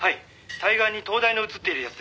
対岸に灯台の写っているやつです」